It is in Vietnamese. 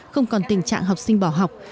không còn tình trạng học sinh bỏ học